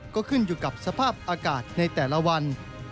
ก็ขึ้นอยู่กับสภาพอากาศในแต่ละวัน